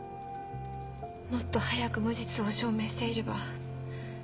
もっと早く無実を証明していれば。